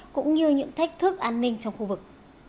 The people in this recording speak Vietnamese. cũng như những thách thức an ninh trong khu vực